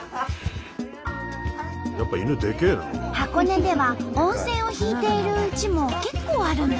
箱根では温泉を引いているうちも結構あるんだって。